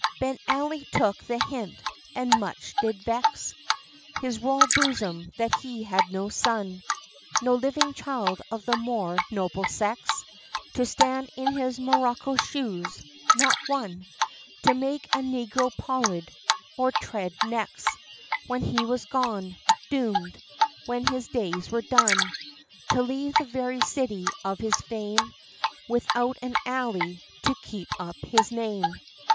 V. Ben Ali took the hint, and much did vex His royal bosom that he had no son, No living child of the more noble sex, To stand in his Morocco shoes not one To make a negro pollard or tread necks When he was gone doom'd, when his days were done, To leave the very city of his fame Without an Ali to keep up his name.